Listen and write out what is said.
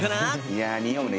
いやにおうね。